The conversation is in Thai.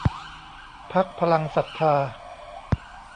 พรรคพลังศรัทธา